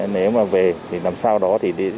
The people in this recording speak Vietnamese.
nếu mà về làm sao đó